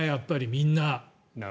みんな。